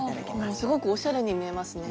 すごくおしゃれに見えますね。